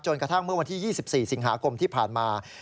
กระทั่งเมื่อวันที่๒๔สิงหาคมที่ผ่านมา